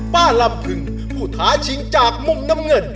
ลำพึงผู้ท้าชิงจากมุมน้ำเงิน